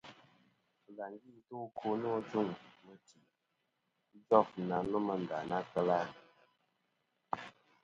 Bɨlàŋgi nto ɨkwo nô ajuŋ mɨti ijof na nomɨ nda na kel a.